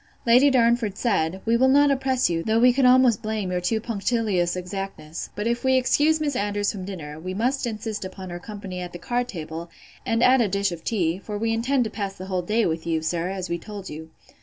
Lady Darnford said, We will not oppress you; though we could almost blame your too punctilious exactness: but if we excuse Miss Andrews from dinner, we must insist upon her company at the card table, and at a dish of tea; for we intend to pass the whole day with you, sir, as we told you.